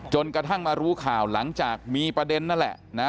กระทั่งมารู้ข่าวหลังจากมีประเด็นนั่นแหละนะ